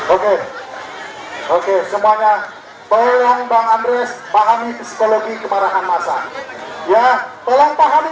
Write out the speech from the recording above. oke oke semuanya tolong bang andre pahami psikologi kemarahan masa ya tolong pahami